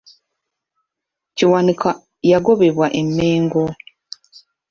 Kiwanuka yagobebwa e Mengo.